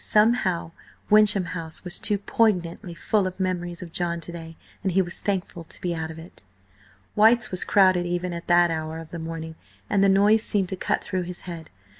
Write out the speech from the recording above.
Somehow, Wyncham House was too poignantly full of memories of John to day, and he was thankful to be out of it White's was crowded even at that hour of the morning, and the noise seemed to cut through his head.